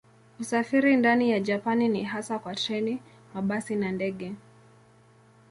Usafiri ndani ya Japani ni hasa kwa treni, mabasi na ndege.